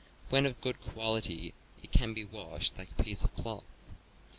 When of good quality it can be washed like a piece of cloth.